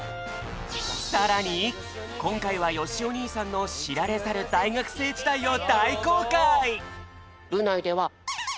さらにこんかいはよしお兄さんのしられざる大学生時代を大公開！